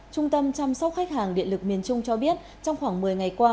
trung tâm chăm sóc khách hàng điện lực miền trung cho biết trong khoảng một mươi ngày qua